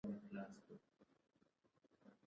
همدارنګه دا ځواک کېدای شي قوم وي.